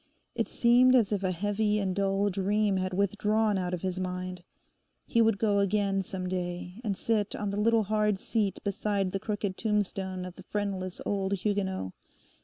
It seemed as if a heavy and dull dream had withdrawn out of his mind. He would go again some day, and sit on the little hard seat beside the crooked tombstone of the friendless old Huguenot.